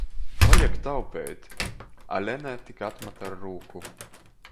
Vajag taupeit! A Lene tik atmat ar rūku.